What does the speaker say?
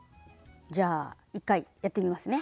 じゃあ一回やってみますね。